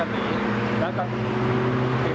ที่วิทยาลัยมิกาศี